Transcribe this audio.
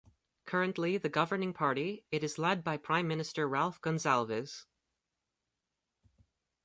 Currently the governing party, it is led by Prime Minister Ralph Gonsalves.